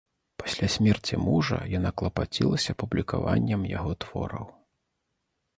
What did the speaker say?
Пасля смерці мужа яна клапацілася публікаваннем яго твораў.